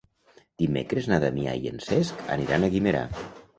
Dimecres na Damià i en Cesc aniran a Guimerà.